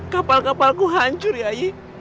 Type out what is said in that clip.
kapal kapalku hancur yai